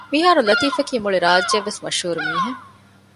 މިހާރު ލަތީފަކީ މުޅި ރާއްޖެއަށްވެސް މަޝްހޫރު މީހެއް